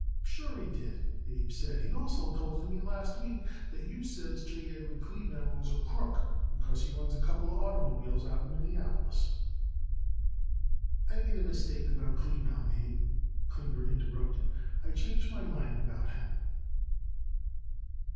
"Sure, he did," Abe said, "and he also told it me last week that you says J. Edward Kleebaum was a crook because he runs a couple of oitermobiles out in Minneapolis." "I made a mistake about Kleebaum, Abe," Klinger interrupted. "I changed my mind about him."